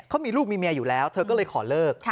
เขามีลูกมีเมียอยู่แล้วเธอก็เลยขอเลิก